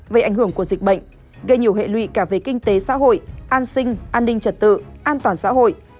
về ảnh hưởng của dịch bệnh gây nhiều hệ lụy cả về kinh tế xã hội an sinh an ninh trật tự an toàn xã hội